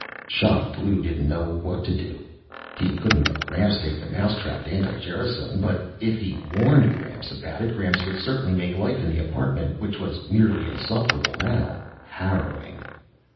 Shocked, Lou didn't know what to do. He couldn't let Gramps take the mousetrapped anti gerasone but, if he warned Gramps about it, Gramps would certainly make life in the apartment, which was merely insufferable now, harrowing.